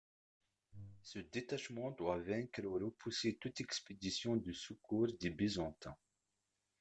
Ce détachement doit vaincre ou repousser toute expédition de secours des Byzantins.